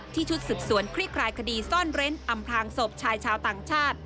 ชุดสืบสวนคลี่คลายคดีซ่อนเร้นอำพลางศพชายชาวต่างชาติ